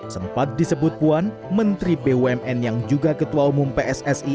sempat disebut puan menteri bumn yang juga ketua umum pssi